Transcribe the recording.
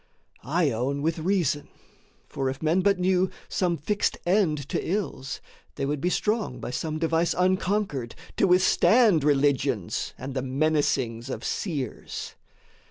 I own with reason: for, if men but knew Some fixed end to ills, they would be strong By some device unconquered to withstand Religions and the menacings of seers.